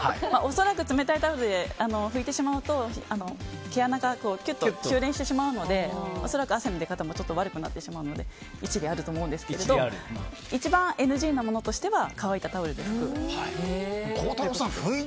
恐らく冷たいタオルで拭いてしまうと毛穴がきゅっと収斂してしまうので恐らく汗の出方も悪くなってしまうので一理あると思うんですが一番ＮＧなものとしては乾いたタオルで拭く。